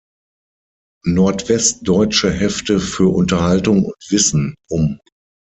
Nordwestdeutsche Hefte für Unterhaltung und Wissen" um.